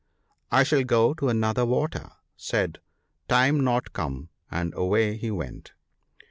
' I shall go to another water/ said " Time not come," and away he went.